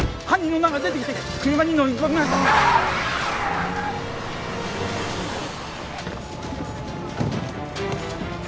犯人の女が出てきて車に乗り込みました。